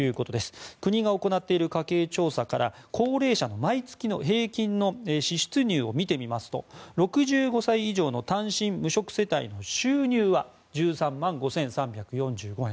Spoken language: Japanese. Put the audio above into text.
国が行っている家計調査から高齢者の毎月の平均の支出入を見てみますと６５歳以上の単身無職世帯の収入は１３万５３４５円。